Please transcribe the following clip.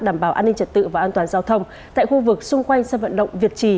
đảm bảo an ninh trật tự và an toàn giao thông tại khu vực xung quanh sân vận động việt trì